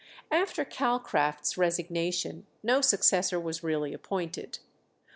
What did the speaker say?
After Calcraft's resignation no successor was really appointed.